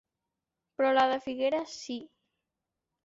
Però la de Figueres, sí.